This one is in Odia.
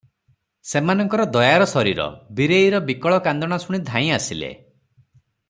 ସେମାନଙ୍କର ଦୟାର ଶରୀର, ବିରେଇର ବିକଳ କାନ୍ଦଣା ଶୁଣି ଧାଇଁ ଆସିଲେ ।